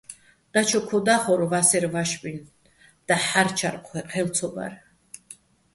დაჩო ქო და́ხორ ვასერვ ვაშბინ, დაჰ̦ ჰ̦არჩარ ჴელ ცო ბარ.